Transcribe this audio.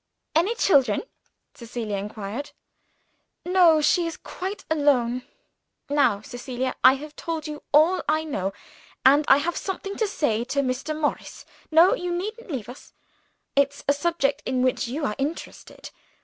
"Any children?" Cecilia inquired. "No; she is quite alone. Now, Cecilia, I have told you all I know and I have something to say to Mr. Morris. No, you needn't leave us; it's a subject in which you are interested.